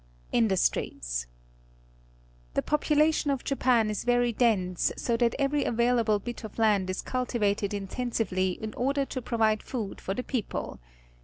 Industries. — The population of Japan is vpry dense, so that every available bit of land is cultivated intensively in order to provide food for the people.